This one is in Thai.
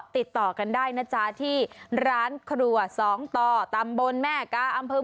ติดต่อกันได้นะจ๊ะที่ร้านครัวสองต่อตำบลแม่กาอำเภอ